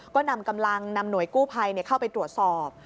ก็นำกำลังนำหน่วยกู้ภัยเข้าไปตรวจสอบ